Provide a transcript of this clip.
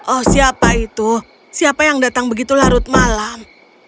oh siapa itu siapa yang datang begitu larut malam